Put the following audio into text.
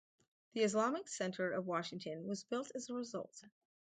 The Islamic Center of Washington was built as a result.